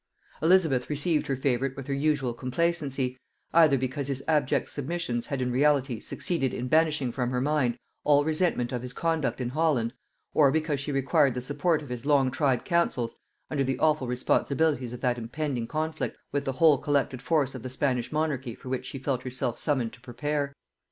Elizabeth received her favorite with her usual complacency, either because his abject submissions had in reality succeeded in banishing from her mind all resentment of his conduct in Holland, or because she required the support of his long tried counsels under the awful responsibilities of that impending conflict with the whole collected force of the Spanish monarchy for which she felt herself summoned to prepare.